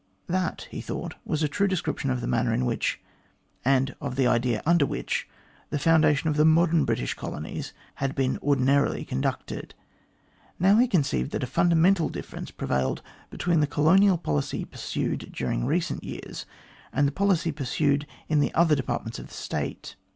That he thought was a true description of the manner in which, and of the idea under which, the foundation of the modern British colonies had been ordin arily conducted. Now, he conceived that a fundamental difference prevailed between the colonial policy pursued during recent years and the policy pursued in the other departments of the State.